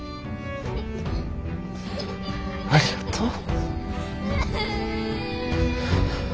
ありがとう。